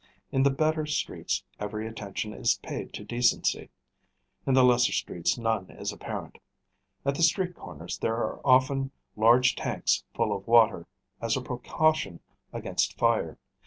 In the better streets every attention is paid to decency; in the lesser streets none is apparent. At the street corners there are often large tanks full of water, as a precaution against fire.